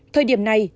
thời điểm này